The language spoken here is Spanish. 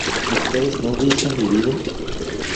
¿ustedes no hubiesen vivido?